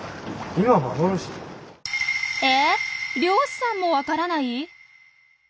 えっ漁師さんもわからない！？